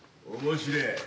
おもしれぇ。